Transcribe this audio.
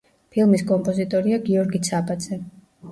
ფილმის კომპოზიტორია გიორგი ცაბაძე.